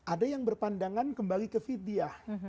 ada yang berpandangan kembali ke vidyah